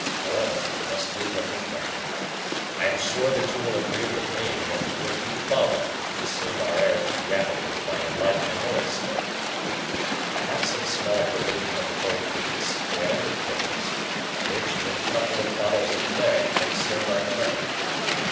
However, we must do what we can. I am sure that you will agree with me that it would be folly to consume our air too rapidly by lighting an oil stove. I have some small provision of cold meats, bread, and pickles which, with a couple of bottles of claret, may serve our turn.